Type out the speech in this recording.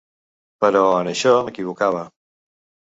Però en això m'equivocava.